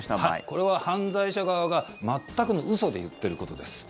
これは犯罪者側が全くの嘘で言っていることです。